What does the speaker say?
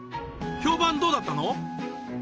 評判どうだったの？